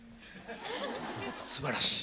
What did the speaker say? すばらしい。